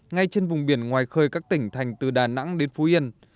ngay trên vùng biển ngoài khơi các tỉnh thành từ đà nẵng đến phú yên